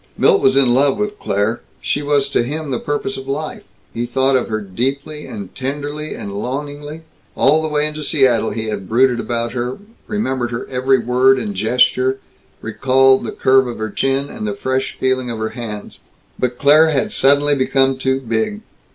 Milt was in love with Claire; she was to him the purpose of life; he thought of her deeply and tenderly and longingly. All the way into Seattle he had brooded about her; remembered her every word and gesture; recalled the curve of her chin, and the fresh feeling of her hands. But Claire had suddenly become too big.